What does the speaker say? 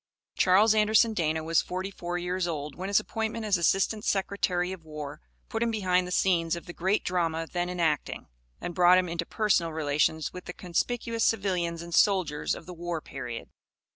Charles Anderson Dana was forty four years old when his appointment as Assistant Secretary of War put him behind the scenes of the great drama then enacting, and brought him into personal relations with the conspicuous civilians and soldiers of the war period.